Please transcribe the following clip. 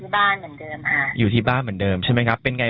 มันก็มีกว่าจะทบก่อการทำงาน